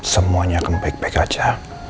semuanya kebaik baik aja